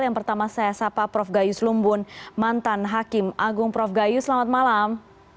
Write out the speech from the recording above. yang pertama saya sapa prof gayus lumbun mantan hakim agung prof gayus selamat malam